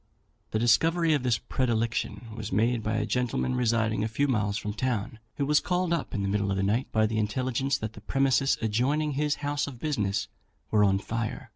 The discovery of this predilection was made by a gentleman residing a few miles from town, who was called up in the middle of the night by the intelligence that the premises adjoining his house of business were on fire.